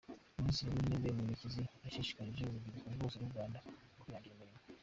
Minisitiri w’Intebe Murekezi yashishikarije urubyiruko rwose rw’ u Rwanda kwihangira imirimo .